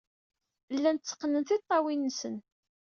Llan tteqqnen tiṭṭawin-nsen.